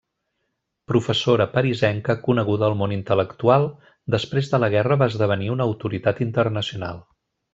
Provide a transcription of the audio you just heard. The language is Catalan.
Professora parisenca coneguda al món intel·lectual, després de la guerra va esdevenir una autoritat internacional.